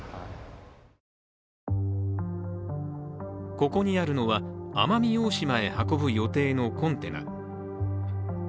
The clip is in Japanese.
ここにあるのは奄美大島へ運ぶ予定のコンテナ。